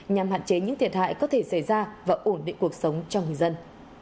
nhằm hạn chế những thiệt hại có thể xảy ra và ổn định cuộc sống cho người dân